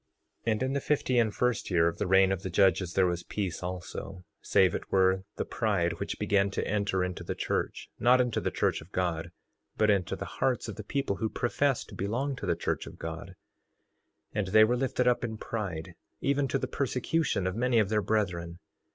3:33 And in the fifty and first year of the reign of the judges there was peace also, save it were the pride which began to enter into the church—not into the church of God, but into the hearts of the people who professed to belong to the church of God— 3:34 And they were lifted up in pride, even to the persecution of many of their brethren.